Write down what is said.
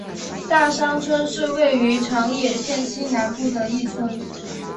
大桑村是位于长野县西南部的一村。